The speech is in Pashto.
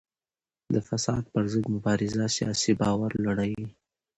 د فساد پر ضد مبارزه سیاسي باور لوړوي